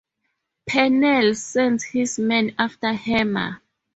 Pennell sends his men after Hammer.